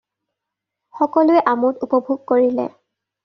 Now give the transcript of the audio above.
সকলোৱে আমোদ উপভোগ কৰিলে।